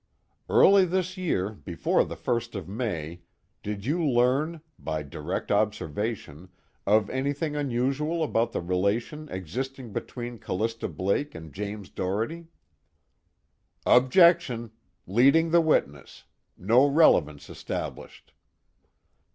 "Early this year, before the first of May, did you learn by direct observation of anything unusual about the relation existing between Callista Blake and James Doherty?" "Objection! Leading the witness. No relevance established."